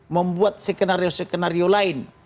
membuat skenario skenario lain